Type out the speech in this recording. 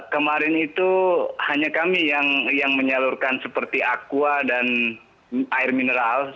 kemarin itu hanya kami yang menyalurkan seperti aqua dan air mineral